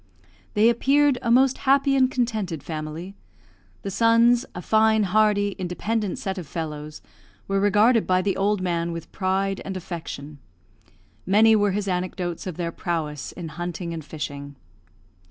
They appeared a most happy and contented family. The sons a fine, hardy, independent set of fellows were regarded by the old man with pride and affection. Many were his anecdotes of their prowess in hunting and fishing.